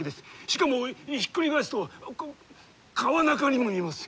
しかもひっくり返すと「川中」にも見えます。